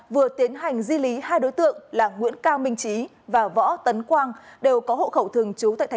vừa tiến hành di lý hai đối tượng là nguyễn cao minh trí và võ tấn quang